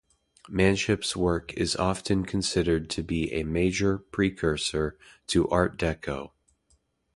Manship's work is often considered to be a major precursor to Art Deco.